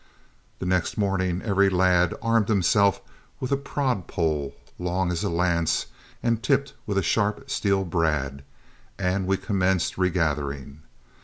The next morning every lad armed himself with a prod pole long as a lance and tipped with a sharp steel brad, and we commenced regathering.